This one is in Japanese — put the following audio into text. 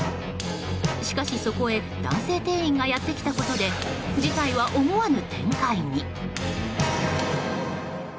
しかし、そこへ男性店員がやってきたことで事態は思わぬ展開に。